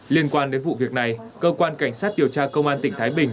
liên quan đến vụ việc này cơ quan cảnh sát điều tra công an tỉnh thái bình